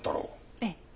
ええ。